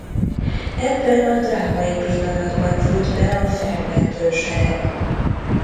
Ebben a drámai pillanatban fut be a felmentő sereg.